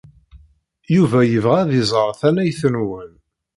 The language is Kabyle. Yuba yebɣa ad iẓer tannayt-nwen.